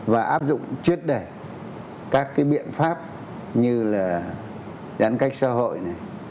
và áp dụng trước đây các cái biện pháp như là giãn cách xã hội này